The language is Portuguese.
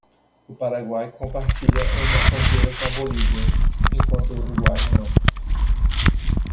O Paraguai compartilha uma fronteira com a Bolívia?, enquanto o Uruguai não.